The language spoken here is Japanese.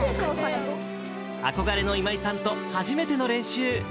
憧れの今井さんと初めての練習。